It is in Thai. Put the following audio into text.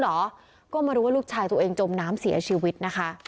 แม่บอกว่าก็ไม่รู้นะว่าพี่ชายมารอเอาน้องชายไปอยู่ด้วยหรือเปล่าเพราะว่าสองคนนี้เขารักกันมาก